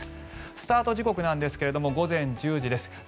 スタート時刻なんですが午前１０時です。